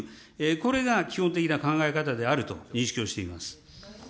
これが基本的な考え方であると認識をしています。